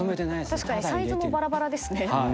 サイズもバラバラですね。